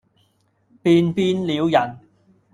便變了人，